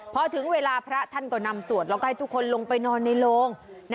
พอถึงเวลาพระท่านก็นำสวดแล้วก็ให้ทุกคนลงไปนอนในโรง